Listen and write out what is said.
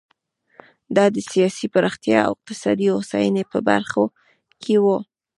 دا د سیاسي پراختیا او اقتصادي هوساینې په برخو کې و.